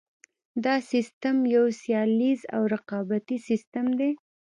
دا سیستم یو سیالیز او رقابتي سیستم دی.